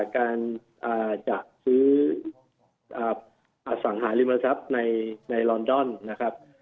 การจะซื้อสังหาริมทรัพย์ในลอนดอนนะครับ